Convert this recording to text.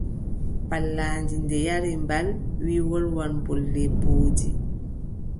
Pallaandi nde yari mbal, wiʼi wolwan bolle mboodi.